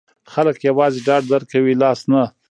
خلګ یوازې ډاډ درکوي، لاس نه.